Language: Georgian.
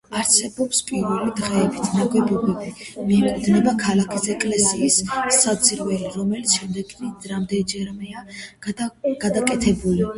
არსებობის პირველი დღეების ნაგებობებს მიეკუთვნება ქალაქის ეკლესიის საძირკველი, რომელიც შემდეგში რამდენჯერმეა გადაკეთებული.